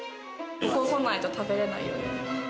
ここに来ないと食べれないよ